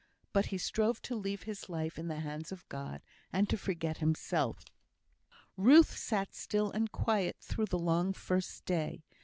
But he strove to leave his life in the hands of God, and to forget himself. Ruth sat still and quiet through the long first day.